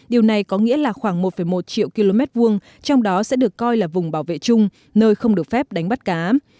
điều này có nghĩa là khoảng một một triệu km hai trong đó sẽ được coi là vùng bảo vệ chung nơi không được phép đánh bắt cá